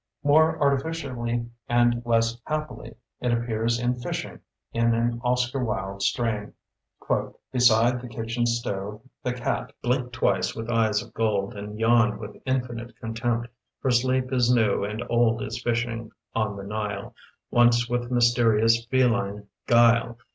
More artificially and less happily it ap pears in 'Tishing", in an Oscar Wilde strain : Beside the kitchen stove the cat Blinked twice with eyes of gold. And yawned with Infinite contempt. For sleep Is new, and old is fishing; on the Nile, Once with mysterious, feline gaile.